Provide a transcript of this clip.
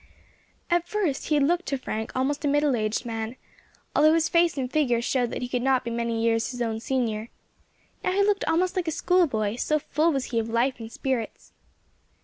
At first he had looked to Frank almost a middle aged man, although his face and figure showed that he could not be many years his own senior; now he looked almost like a schoolboy, so full was he of life and spirits.